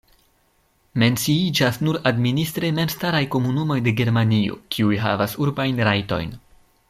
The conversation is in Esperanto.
Menciiĝas nur administre memstaraj komunumoj de Germanio, kiuj havas urbajn rajtojn.